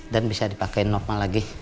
dan bisa dipakai normal lagi